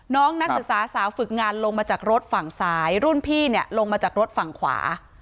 นักศึกษาสาวฝึกงานลงมาจากรถฝั่งซ้ายรุ่นพี่เนี่ยลงมาจากรถฝั่งขวา